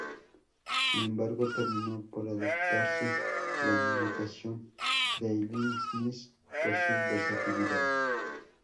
Sin embargo, terminó por adoptarse la notación de Leibniz por su versatilidad.